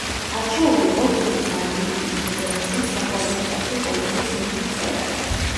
არჩეული იყო რუსეთის ალპინიზმის ფედერაციის საკვალიფიკაციო კომისიის მუდმივ წევრად.